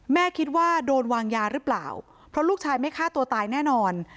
แม่คิดว่าโดนวางยาหรือเปล่าเพราะลูกชายไม่ฆ่าตัวตายแน่นอน